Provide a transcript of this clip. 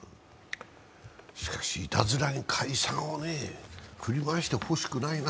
しかしいたずらに解散を振り回してほしくないな。